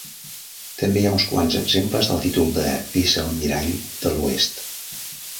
També hi ha uns quants exemples del títol de vicealmirall de l'oest.